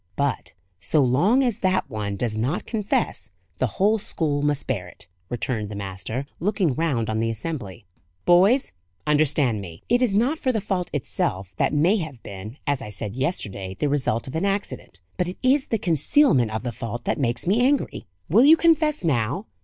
"But, so long as that one does not confess, the whole school must bear it," returned the master, looking round on the assembly. "Boys, understand me. It is not for the fault itself that may have been, as I said yesterday, the result of accident; but it is the concealment of the fault that makes me angry. Will you confess now?